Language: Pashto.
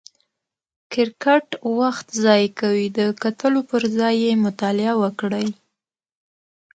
کرکټ وخت ضایع کوي، د کتلو پر ځای یې مطالعه وکړئ!